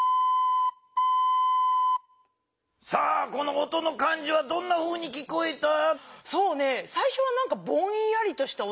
さあこの音の感じはどんなふうに聞こえた？